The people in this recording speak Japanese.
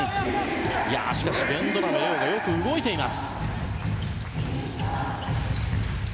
しかし、ベンドラメ礼生がよく動いています。